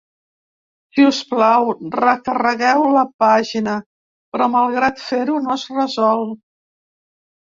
Si us plau, recarregueu la pàgina, però malgrat fer-ho no es resol.